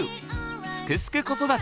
「すくす子育て」